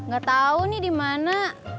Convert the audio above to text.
gak tau nih dimana